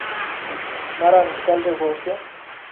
মারান, খেয়াল রেখো, ওকে?